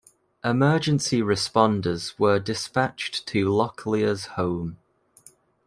Emergency responders were dispatched to Locklear's home.